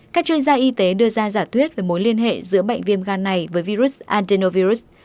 các chuyên gia y tế đưa ra giả thuyết về mối liên hệ giữa bệnh viêm gan này với virus andernovirus